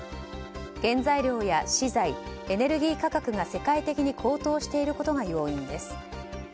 原材料や資材、エネルギー価格が世界的に高騰していることが要因です。